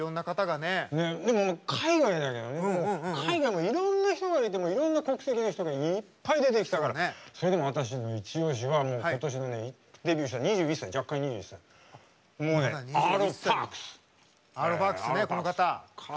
でも、海外だけど海外もいろんな人がいていろんな国籍の人がいっぱい出てきたからそれでも私のイチオシはことしのデビューした弱冠２１歳、アーロ・パークス！